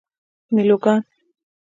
میلوگان